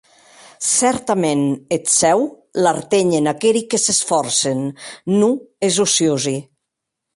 Cèrtament eth Cèu l’artenhen aqueri que s’esfòrcen, non es ociosi.